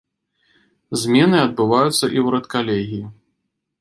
Змены адбываюцца і ў рэдкалегіі.